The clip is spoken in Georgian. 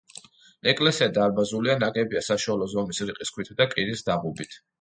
ეკლესია დარბაზულია, ნაგებია საშუალო ზომის რიყის ქვითა და კირის დაღუბით.